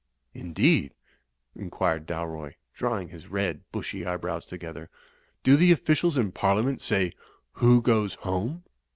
'" "Indeed," inquired Dalroy, drawing his red bushy eyebrows together. "Do the officials in Parliament say, Who goes home?'"